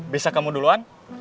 bisa kamu duluan